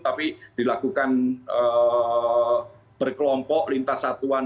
tapi dilakukan berkelompok lintas satuan